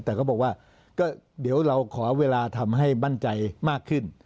แต่ก็บอกว่าก็เดี๋ยวเราขอเวลาทำให้มั่นใจมากขึ้น